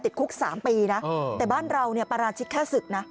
คุก๓ปีนะแต่บ้านเราเนี่ยปราชิกแค่ศึกนะ